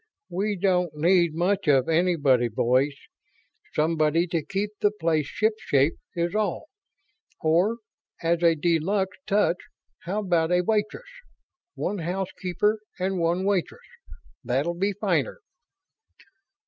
"We don't need much of anybody, boys. Somebody to keep the place shipshape, is all. Or, as a de luxe touch, how about a waitress? One housekeeper and one waitress. That'll be finer."